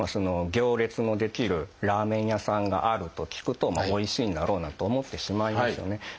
行列の出来るラーメン屋さんがあると聞くとおいしいんだろうなと思ってしまいますよね。